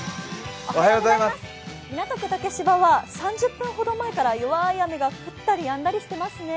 港区竹芝は３０分ほど前から弱い雨が降ったりやんだりしてますね。